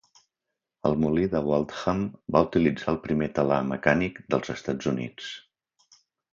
El molí de Waltham va utilitzar el primer telar mecànic dels Estats Units.